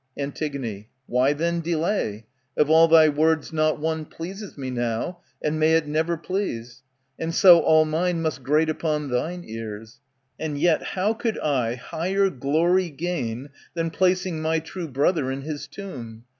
Antig, Why then delay ? OfaTTFRy words not one Pleases me now, (and may it never please !)^^ And so all mine must grate upon thine ears. And yet how could I higher glory gain Than placing my true brother in his tomb